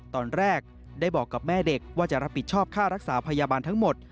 ตอนแรกได้บอกกับแม่เด็กว่าจะรับผิดชอบค่ารักษาพยาบาลทั้งหมด